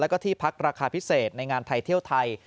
แล้วก็ที่พักราคาพิเศษในงานไทยเที่ยวไทย